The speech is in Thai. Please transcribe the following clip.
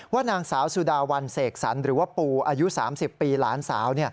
นางสาวสุดาวันเสกสรรหรือว่าปูอายุ๓๐ปีหลานสาว